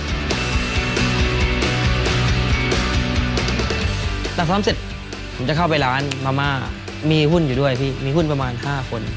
ซ้อมเสร็จผมจะเข้าไปร้านมาม่ามีหุ้นอยู่ด้วยพี่มีหุ้นประมาณ๕คน